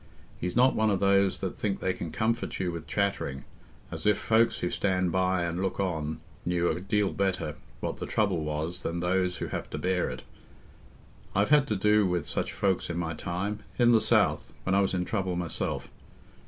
He's not one of those that think they can comfort you with chattering, as if folks who stand by and look on knew a deal better what the trouble was than those who have to bear it. I've had to do with such folks in my time—in the south, when I was in trouble myself.